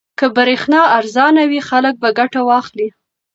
که برېښنا ارزانه وي خلک به ګټه واخلي.